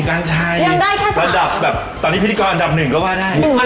อ่าโอเคเอาไว้ขอนุ่มสาเค